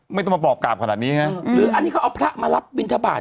ไม่ต้องมาปอบกราบขนาดนี้ไงหรืออันนี้เขาเอาพระมารับบินทบาท